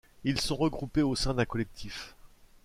Ils sont regroupés au sein d'un collectif.